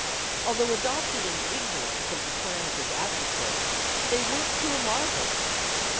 Although adopted in ignorance of the plan of his adversary, they worked to a marvel.